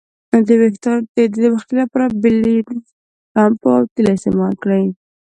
د ویښتانو د توییدو د مخنیوي لپاره بیلینزر شامپو او تیل استعمال کړئ.